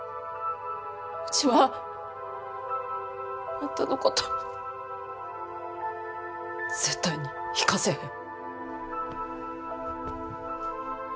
ウチはあんたのこと絶対に行かせへん。